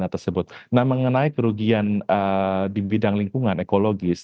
nah ini juga bisa diperhatikan sebagai hal yang terpisah dari perkembangan ekologis